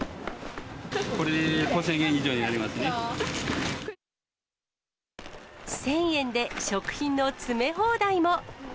これで５０００円以上になり１０００円で食品の詰め放題も。